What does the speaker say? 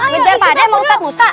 kejar pak d sama ustadz busa